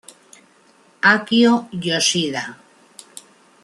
Akio Yoshida